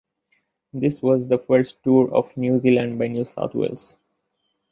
This was the first tour of New Zealand by New South Wales.